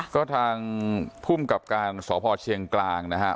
ก็ทางภูมิกับการสพเชียงกลางนะครับ